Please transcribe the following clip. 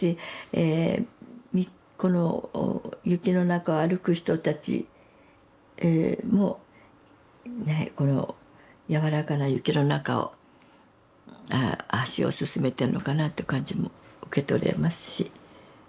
この雪の中を歩く人たちもこの柔らかな雪の中を足を進めてるのかなという感じも受け取れますし。